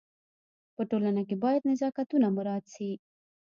په ټولنه کي باید نزاکتونه مراعت سي.